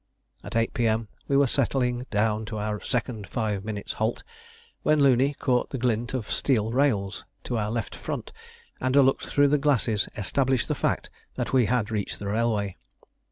At 8 P.M. we were settling down to our second five minutes' halt, when Looney caught the glint of steel rails to our left front, and a look through the glasses established the fact that we had reached the railway.